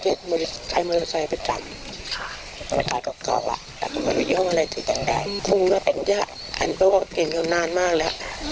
ใช่ก็ไม่ได้แก่บหรอกไปมาปกติเหมือนคนธรรมดาแล้วนี่แหละ